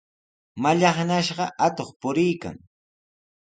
Mallaqnashqa atuq puriykan.